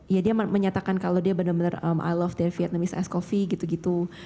ya dia menyatakan kalau dia benar benar i love the vietnamese ice coffee gitu gitu